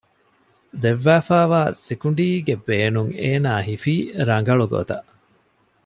ދެއްވާފައިވާ ސިކުނޑީގެ ބޭނުން އޭނާ ހިފީ ރަނގަޅު ގޮތަށް